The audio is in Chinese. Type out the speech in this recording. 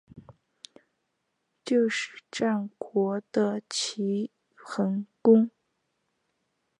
就是战国的齐桓公。